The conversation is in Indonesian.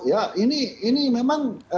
ya ini memang